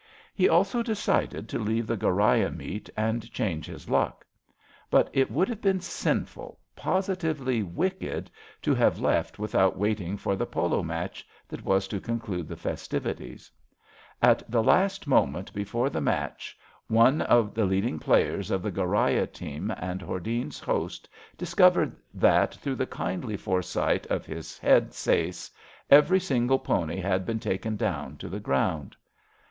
He also decided to leave the Ghoriah meet and change his luck. But it would have been sinful — ^positively wicked — ^to have left without waiting for the polo match that was to conclude the festivities. At the last moment before the match, one of the 140 ABAFT THE FUNNEL leading players of the Ghoriah team and Hor dene's host discovered that, through the kindly foresight of his head sais, every single pony had been taken down to the ground.